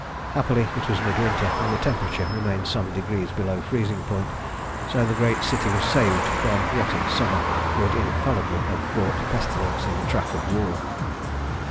Happily it was midwinter, and the temperature remained some degrees below freezing point, and so the great city was saved from what in summer would infallibly have brought pestilence in the track of war.